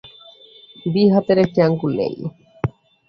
Bee হাতের একটি আঙুল নেই।